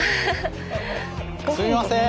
すいません！